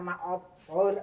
saya tak peduli